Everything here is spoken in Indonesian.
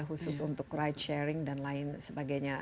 khusus untuk ride sharing dan lain sebagainya